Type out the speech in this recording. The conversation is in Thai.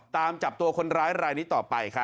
ตามจับตัวคนร้ายรายนี้ต่อไปครับ